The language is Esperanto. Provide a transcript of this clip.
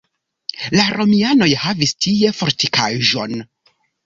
La romianoj havis tie fortikaĵon.